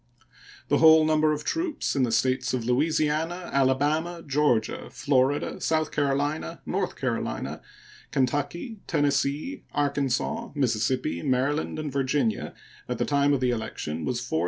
The whole number of troops in the States of Louisiana, Alabama, Georgia, Florida, South Carolina, North Carolina, Kentucky, Tennessee, Arkansas, Mississippi, Maryland, and Virginia at the time of the election was 4,082.